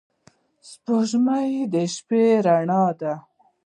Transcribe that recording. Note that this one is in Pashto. سپوږمۍ د شپې رڼا ده